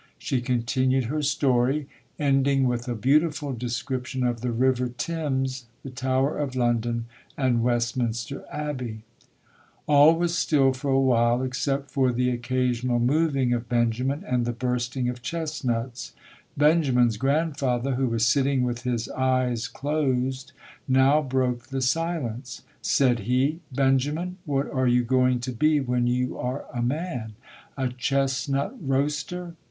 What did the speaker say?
She continued her story, end ing with a beautiful description of the River Thames, the Tower of London, and Westminster Abbey. BENJAMIN BANNEKER [ 155 All was still for a while, except for the occa sional moving of Benjamin and the bursting of chestnuts. Benjamin's grandfather, who was sit ting with his eyes closed, now broke the silence. Said he, "Benjamin, what are you going to be when you are a man, a chestnut roaster?"